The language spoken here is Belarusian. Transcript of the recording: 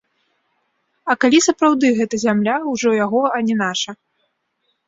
А калі сапраўды гэта зямля ўжо яго, а не наша?